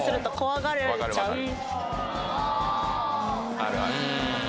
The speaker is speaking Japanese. あるある。